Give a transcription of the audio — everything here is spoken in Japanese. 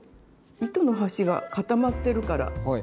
糸の端が固まってるから通しやすく。